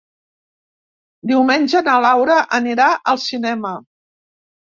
Diumenge na Laura anirà al cinema.